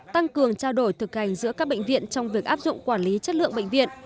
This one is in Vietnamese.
tăng cường trao đổi thực hành giữa các bệnh viện trong việc áp dụng quản lý chất lượng bệnh viện